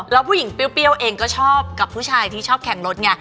แล้วผู้หญิงเปรี้ยวเองก็ชอบกับผู้ชายที่ชอบแข่งรถไง